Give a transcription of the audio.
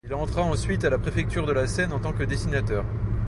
Il entra ensuite à la Préfecture de la Seine en tant que dessinateur.